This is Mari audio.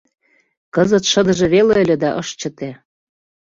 Кызыт шыдыже веле ыле да ыш чыте.